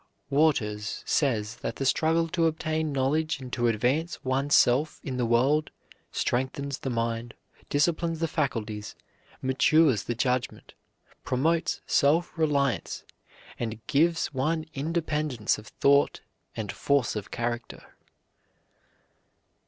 Waters says that the struggle to obtain knowledge and to advance one's self in the world strengthens the mind, disciplines the faculties, matures the judgment, promotes self reliance, and gives one independence of thought and force of character.